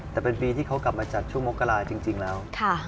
แต่เป็นปีที่เขากลับมาจัดช่วงมกราจริงแล้ว